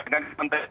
dengan menurut saya